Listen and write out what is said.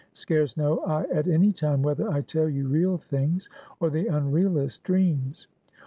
Scarce know I at any time whether I tell you real things, or the unrealest dreams.